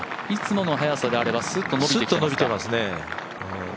いつもの速さであればシュッとのびてますからね。